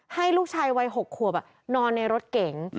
ให้ลูกชายวัย๖ขวบนอนในรถเก๋ง